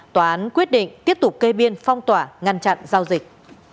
tòa án quyết định tiếp tục kê biên phong tỏa ngăn chặn giao dịch